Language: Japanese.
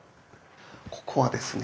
ここはですね